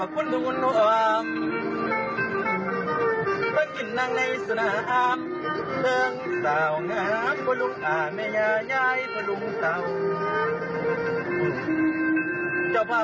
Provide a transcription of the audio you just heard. ขอบคุณลุงอาหาร